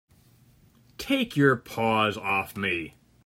Take your paws off me!